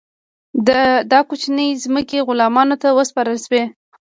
دا کوچنۍ ځمکې غلامانو ته وسپارل شوې.